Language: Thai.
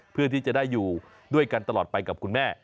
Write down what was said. เพื่อที่จะได้อยู่ด้วยกันตลอดไปกับคุณแม่